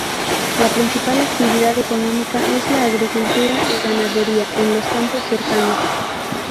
La principal actividad económica es la agricultura y ganadería en los campos cercanos.